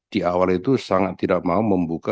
di awal itu sangat tidak mau membuka